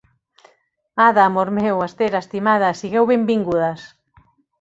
Ada, amor meu, Esther, estimada, sigueu benvingudes.